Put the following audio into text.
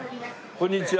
こんにちは。